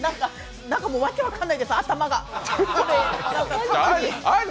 もう訳分かんないです、頭が。